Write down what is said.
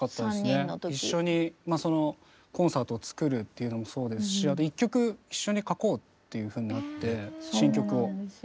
一緒にコンサートを作るっていうのもそうですし一曲一緒に書こうっていうふうになって新曲を。